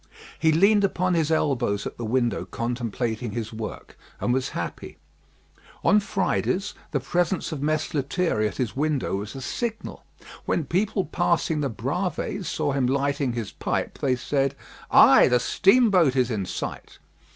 He leaned upon his elbows at the window contemplating his work, and was happy. On Fridays, the presence of Mess Lethierry at his window was a signal. When people passing the Bravées saw him lighting his pipe, they said, "Ay! the steamboat is in sight."